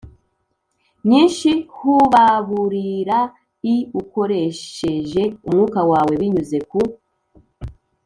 myinshi h ubaburirai ukoresheje umwuka wawe binyuze ku